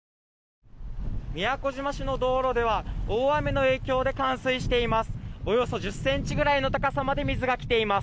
宮古島市の道路では大雨の影響で冠水しています。